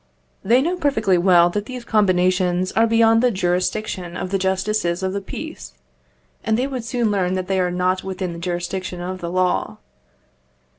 They know perfectly well that these combinations are beyond the jurisdiction of the justices of the peace, and they would soon learn that they are not within the jurisdiction of the law.